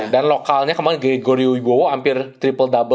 dan lokalnya kemarin gregorio uygowo hampir triple double